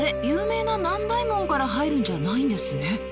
有名な南大門から入るんじゃないんですね。